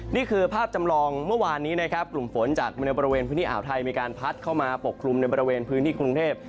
นี่คือภาพจำลองเมื่อวานนี้นะครับกลุ่มฝนจากบริเวณพื้นที่อ่าวไทยมีการพัดเข้ามาปกคลุมในบริเวณพื้นที่กรุงเทพ